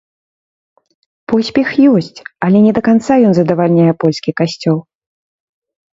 Поспех ёсць, але не да канца ён задавальняе польскі касцёл.